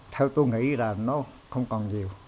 theo tôi nghĩ là nó không còn nhiều